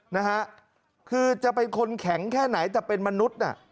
นะฮะคือจะเป็นคนแข็งแค่ไหนแต่เป็นมนุษย์น่ะ